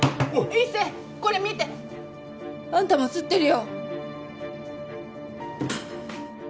一星これ見て！あんたも写ってるよ！